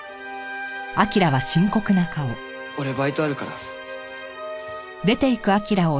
俺バイトあるから。